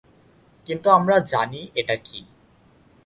কিন্তু আমরা জানি এটা কি।